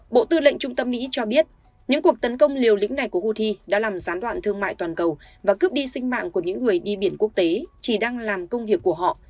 bộ tư lệnh trung tâm mỹ cho biết những cuộc tấn công liều lĩnh này của houthi đã làm gián đoạn thương mại toàn cầu và cướp đi sinh mạng của những người đi biển quốc tế chỉ đang làm công việc của họ